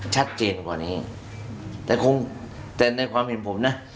ชัดเจนกว่านี้แต่คงแต่ในความเห็นผมนะ